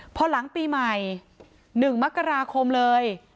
พอหลังปีใหม่๑มกราคมเลย